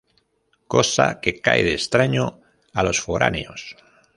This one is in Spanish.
Cosa que cae de extraño a los foráneos.